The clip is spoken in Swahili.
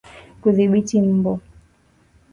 Kudhibiti mbu